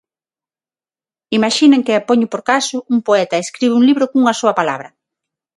Imaxinen que, poño por caso, un poeta escribe un libro cunha soa palabra: